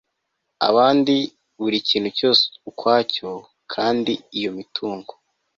abandi buri kintu cyose ukwacyo kandi iyo mitungo